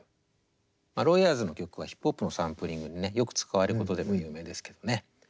ロイ・エアーズの曲はヒップホップのサンプリングにねよく使われることでも有名ですけどね。